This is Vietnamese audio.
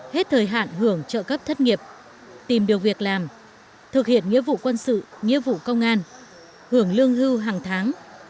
hết thời hạn hưởng trợ cấp thất nghiệp tìm được việc làm thực hiện nghĩa vụ quân sự nghĩa vụ công an hưởng lương hưu hàng tháng